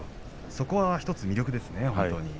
そこは１つ魅力ですよね。